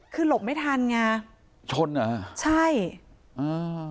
คือหลบไม่ทันไงชนเหรอฮะใช่อ่า